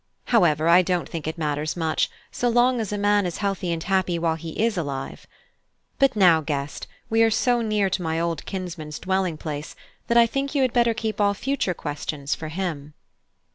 However, I don't think it matters much, so long as a man is healthy and happy while he is alive. But now, Guest, we are so near to my old kinsman's dwelling place that I think you had better keep all future questions for him."